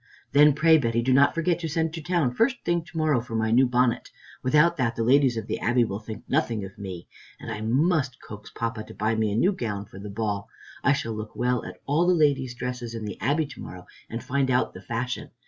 "Then pray, Betty, do not forget to send to town first thing to morrow for my new bonnet. Without that the ladies of the Abbey will think nothing of me. And I must coax Papa to buy me a new gown for the ball. I shall look well at all the ladies' dresses at the Abbey to morrow and find out the fashion.